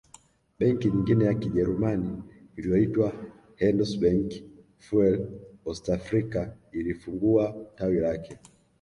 Benki nyingine ya Kijerumani iliyoitwa Handelsbank fuer Ostafrika ilifungua tawi lake